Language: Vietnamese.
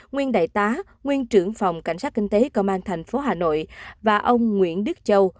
nguyên đại tá nguyên trưởng phòng cảnh sát kinh tế công an tp hà nội và ông nguyễn đức châu